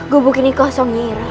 gubuk ini kosong nyai nyiroh